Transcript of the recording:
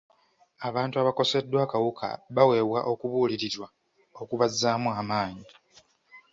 Abantu abakoseddwa akawuka baweebwa okubuulirirwa okubazzamu amaanyi.